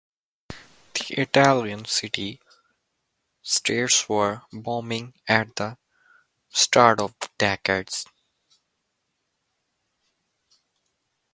The Italian city states were booming at the start of the decade.